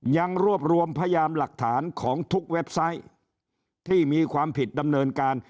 ยังรวบรวมพยานหลักฐานของทุกเว็บไซต์ที่มีความผิดดำเนินการ